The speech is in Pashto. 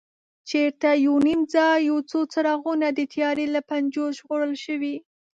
چېرته یو نیم ځای یو څو څراغونه د تیارې له پنجو ژغورل شوي.